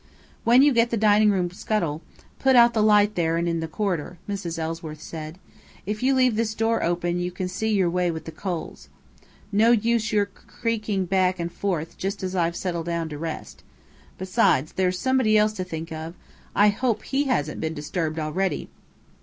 "When you get the dining room scuttle, put out the light there and in the corridor," Mrs. Ellsworth said. "If you leave this door open you can see your way with the coals. No use your creaking back and forth just as I've settled down to rest. Besides, there's somebody else to think of. I hope he hasn't been disturbed already!"